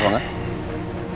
apa yang anda inginkan